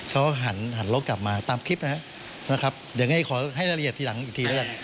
ก็หันหลงกลับมาตามคลิปนะฮะนะครับเดี๋ยวให้ขอให้รายละเอียดทีหลังอีกที